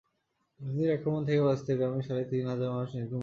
হাতির আক্রমণ থেকে বাঁচতে গ্রামের সাড়ে তিন হাজার মানুষ নির্ঘুম রাত কাটাচ্ছে।